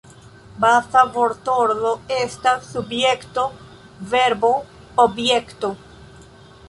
Baza vortordo estas Subjekto-Verbo-Objekto.